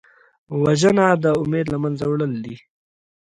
وژنه د امید له منځه وړل دي